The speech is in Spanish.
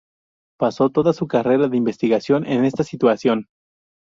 Pasó toda su carrera de investigación en esta institución.